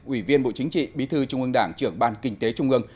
ủy viên bộ chính trị bí thư trung ương đảng trưởng ban kinh tế trung ương